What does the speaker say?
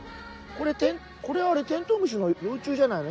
これあれテントウムシの幼虫じゃないの？